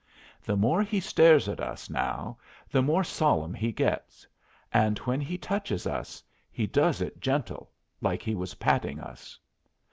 The more he stares at us now, the more solemn he gets, and when he touches us he does it gentle, like he was patting us.